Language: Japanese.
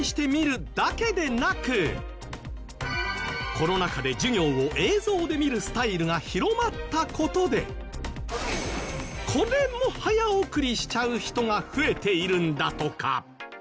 コロナ禍で授業を映像で見るスタイルが広まった事でこれも早送りしちゃう人が増えているんだとか